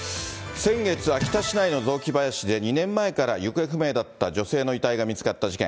先月、秋田市内の雑木林で２年前から行方不明だった女性の遺体が見つかった事件。